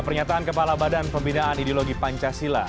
pernyataan kepala badan pembinaan ideologi pancasila